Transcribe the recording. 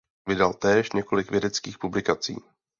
Vydal též několik vědeckých publikací.